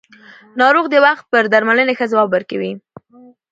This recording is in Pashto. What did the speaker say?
ناروغ د وخت پر درملنې ښه ځواب ورکوي